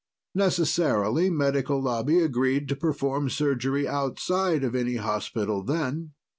Necessarily, Medical Lobby agreed to perform surgery outside of any hospital, then.